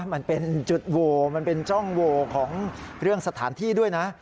มันเป็นจุดโหวมันเป็นจ้องโวของเรื่องสถานที่ด้วยนะ